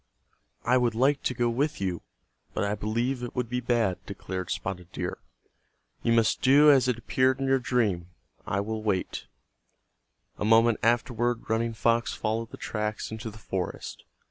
"I would like to go with you, but I believe it would be bad," declared Spotted Deer. "You must do as it appeared in your dream. I will wait." A moment afterward Running Fox followed the tracks into the forest.